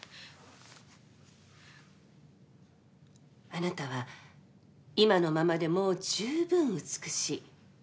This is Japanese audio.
あなたは今のままでもう十分美しい。